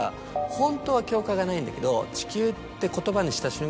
ホントは境界がないんだけど「地球」って言葉にした瞬間